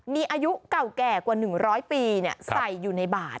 มีอายุเก่าแก่กว่า๑๐๐ปีใส่อยู่ในบาท